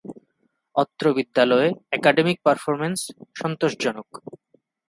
অত্র বিদ্যালয়ে academic performance সন্তোষজনক।